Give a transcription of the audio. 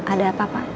ada apa pak